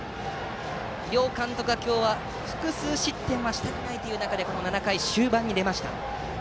両監督が今日は複数失点はしたくないという中でこの７回、終盤に出ました。